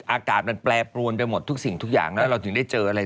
อากาศมันแปรปรวนไปหมดทุกสิ่งทุกอย่างแล้วเราถึงได้เจออะไร